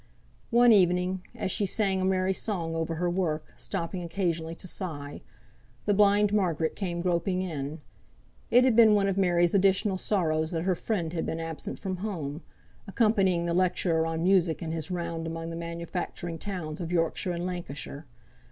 One evening, as she sang a merry song over her work, stopping occasionally to sigh, the blind Margaret came groping in. It had been one of Mary's additional sorrows that her friend had been absent from home, accompanying the lecturer on music in his round among the manufacturing towns of Yorkshire and Lancashire.